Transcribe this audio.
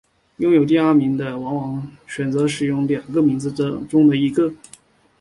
拥有第二名的人往往会选择使用两个名字中的一个。